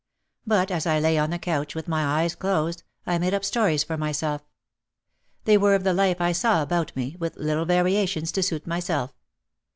But, as I lay on the couch with my eyes closed, I made up stories for myself. They were of the life I saw about me, with little variations to suit myself.